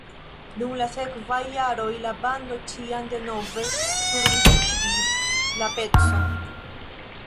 Dum la sekvaj jaroj la bando ĉiam denove surdiskigis la pecon.